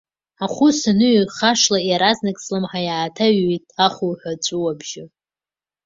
Ахәы саныҩхашла, иаразнак слымҳа иааҭаҩит ахуҳәа аҵәыуабжьы.